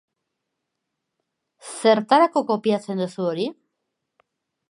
Zertarako kopiatzen duzu hori?